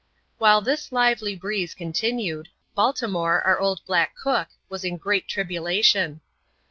5» While this liyelj breese oontinaed, Baltimore, our old black cocky was in great tribulation.